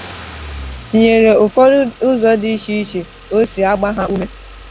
tinyere ụfọdụ ụzọ dị iche iche o si agba ha ume